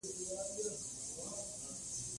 پښتو زموږ ملي او تاریخي ژبه ده.